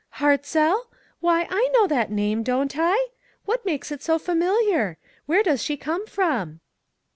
"Hartzell? Why, I know that name, don't I ? What makes it so familiar ? Where does she come from